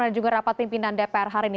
dan juga rapat pimpinan dpr hari ini